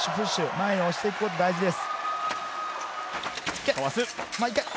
前に押していくことが大事です。